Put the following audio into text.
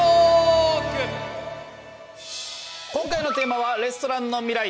今回のテーマは「レストランの未来」。